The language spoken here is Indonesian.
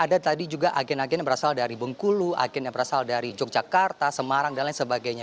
karena ada tadi juga agen agen yang berasal dari bengkulu agen yang berasal dari yogyakarta semarang dan lain sebagainya